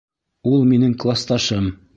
Ул минең класташым.